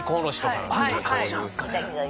あんな感じなんですかね。